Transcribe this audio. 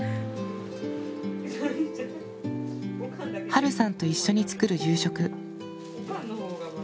はるさんと一緒に作る夕食。